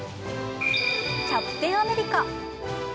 キャプテン・アメリカ。